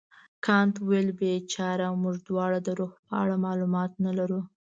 کانت وویل بیچاره موږ دواړه د روح په اړه معلومات نه لرو.